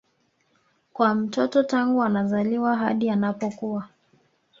kwa mtoto tangu anazaliwa hadi anapokua